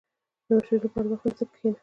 • د مشورې لپاره وخت ونیسه، کښېنه.